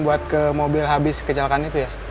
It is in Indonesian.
buat ke mobil habis kecelakaan itu ya